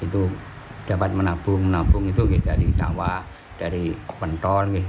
itu dapat menabung menabung itu dari sawah dari pentol